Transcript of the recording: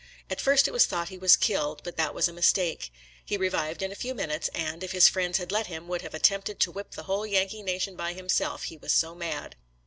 At first it was thought he was killed, but that waS a mistake. He revived in a few minutes, and, if his friends had let him, would have attempted to whip the whole Yankee nation by himself — he was so mad.